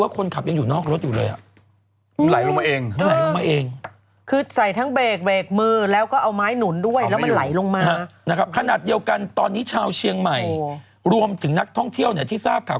ขอให้ความคิดเห็นว่า